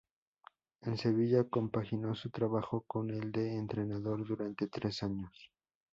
En Sevilla compaginó su trabajo con el de entrenador durante tres años.